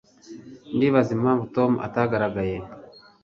Ndibaza impamvu Tom atagaragaye.